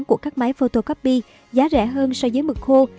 của các máy photocopy giá rẻ hơn so với mực khô